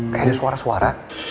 kayak ada suara suara